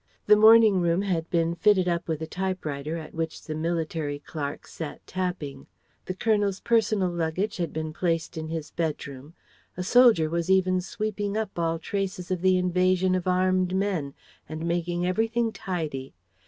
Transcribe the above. The morning room had been fitted up with a typewriter at which the military clerk sat tapping. The Colonel's personal luggage had been placed in his bedroom. A soldier was even sweeping up all traces of the invasion of armed men and making everything tidy.